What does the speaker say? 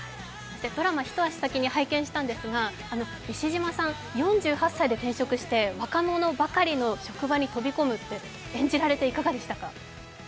ドラマ一足先に拝見したんですが西島さん４８歳で転職して若者ばかりの職場に飛び込むって演じられていかがでしたか？